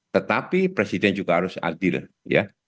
tetapi presiden juga harus adil ya